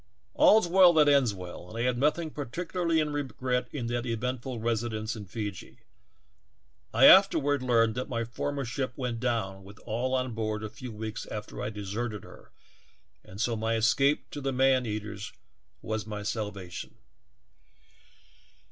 All's well that ends well, and I have CAPTURED BY CANNIBALS. 63 nothing particularly to regret in that eventful residence in Feejee. I afterward learned that my former ship went down with all on board a few weeks after I deserted her, and so my escape to the man eaters was my salvation."